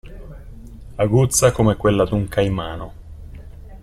Aguzza come quella d'un caimano.